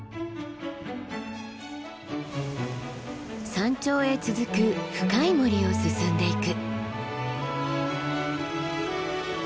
山頂へ続く深い森を進んでいく。